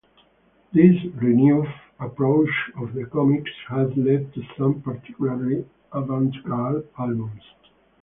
This renewed approach of the comics has led to some particularly avant-garde albums.